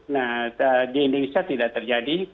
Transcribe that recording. nah di indonesia tidak terjadi